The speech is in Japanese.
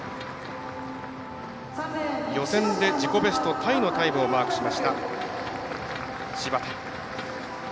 予選で自己ベストタイの記録をマークしました、芝田。